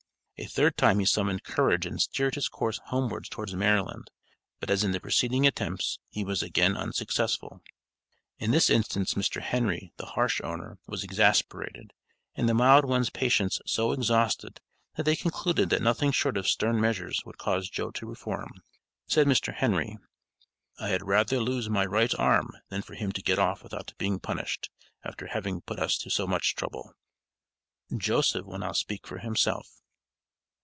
A third time he summoned courage and steered his course homewards towards Maryland, but as in the preceding attempts, he was again unsuccessful. In this instance Mr. Henry, the harsh owner, was exasperated, and the mild one's patience so exhausted that they concluded that nothing short of stern measures would cause Joe to reform. Said Mr. Henry; "I had rather lose my right arm than for him to get off without being punished, after having put us to so much trouble." Joseph will now speak for himself.